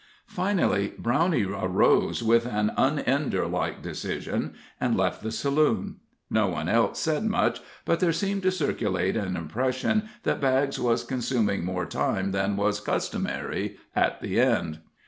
Finally Brownie arose with an un Ender like decision, and left the saloon. No one else said much, but there seemed to circulate an impression that Baggs was consuming more time than was customary at the End.